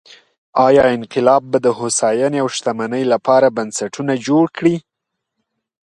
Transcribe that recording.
ایا انقلاب به د هوساینې او شتمنۍ لپاره بنسټونه جوړ کړي؟